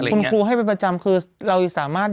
คุณครูให้เป็นประจำคือเราสามารถ